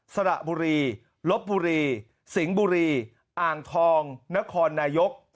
สระบุรีลบบุรีสิงห์บุรีอ่างทองนครนายก